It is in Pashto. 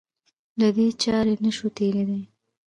له دې چارې نه شو تېرېدای.